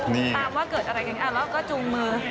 นี่ตามว่าเกิดอะไรอาก็จุงมือ